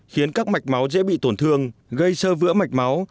khiến các mạch máu dễ bị tổn thương gây sơ vỡ mạch máu